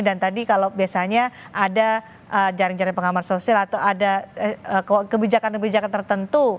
dan tadi kalau biasanya ada jaring jaring pengaman sosial atau ada kebijakan kebijakan tertentu